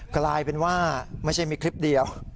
กลายเป็นว่าไม่ใช่มีคลิปเดียว